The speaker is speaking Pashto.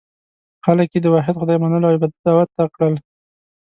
خلک یې د واحد خدای منلو او عبادت ته دعوت کړل.